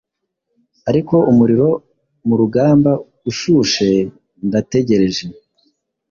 Ariko umuriro murugamba ushushe ndategereje